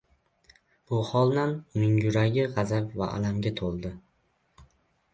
Bu holdan uning yuragi gʻazab va alamga toʻldi: